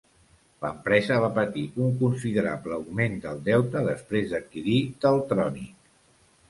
L'empresa va patir un considerable augment del deute després d'adquirir Teltronic.